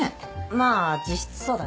まあ実質そうだね。